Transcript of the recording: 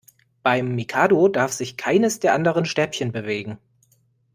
Beim Mikado darf sich keines der anderen Stäbchen bewegen.